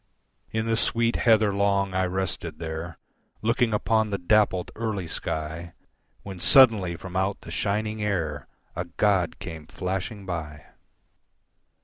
In the sweet heather long I rested there Looking upon the dappled, early sky, When suddenly, from out the shining air A god came flashing by.